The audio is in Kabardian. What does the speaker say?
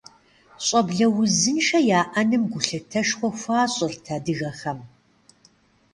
Щӏэблэ узыншэ яӏэным гулъытэшхуэ хуащӏырт адыгэхэм.